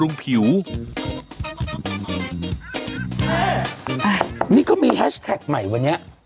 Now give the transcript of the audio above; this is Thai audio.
นี่ก็มีแฮชแท็กใหม่วันนี้